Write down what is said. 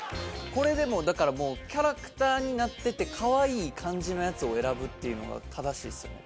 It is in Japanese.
これでもうだからもうキャラクターになっててかわいい感じのやつを選ぶっていうのが正しいですよね。